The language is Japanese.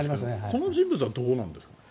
この人物はどうなんですか？